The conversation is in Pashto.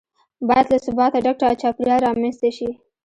باید له ثباته ډک چاپیریال رامنځته شي.